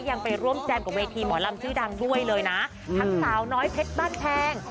ยังไปร่วมแจมกับเวทีหมอลำชื่อดังด้วยเลยนะทั้งสาวน้อยเพชรบ้านแพง